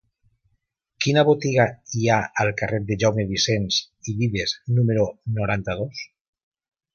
Quina botiga hi ha al carrer de Jaume Vicens i Vives número noranta-dos?